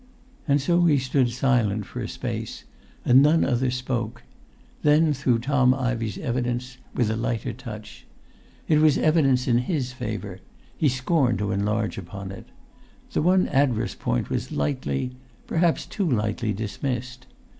And so he stood silent for a space, and none other spoke; then through Tom Ivey's evidence with a lighter touch. It was evidence in his favour: he scorned to enlarge upon it. The one adverse point was lightly—perhaps too lightly—dismissed.